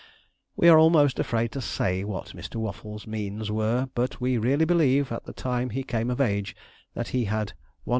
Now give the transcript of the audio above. We are almost afraid to say what Mr. Waffles' means were, but we really believe, at the time he came of age, that he had 100,000_l.